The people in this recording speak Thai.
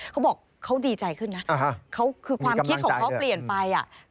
เขาบอกเขาดีใจขึ้นนะคือความคิดของเขาเปลี่ยนไปอ่ะ